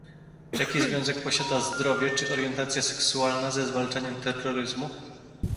Jaki związek posiada zdrowie czy orientacja seksualna ze zwalczaniem terroryzmu?